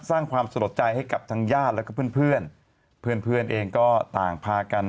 สร้างความสะลดใจให้กับทางญาติแล้วก็เพื่อนเพื่อนเองก็ต่างพากัน